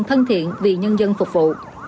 thân thiện vì nhân dân phục vụ